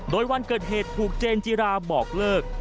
โดยวันเกิดเหตุถูกเจนจิราบอกเลิก